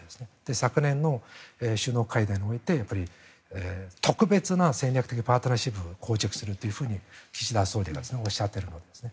昨年の首脳会談において特別な戦略的パートナーシップを構築すると岸田総理がおっしゃっています。